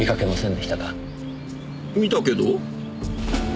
見たけど？